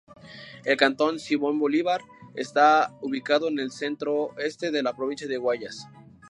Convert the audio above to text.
El cantón "Simón Bolívar" está ubicado en el centro-este de la provincia del Guayas.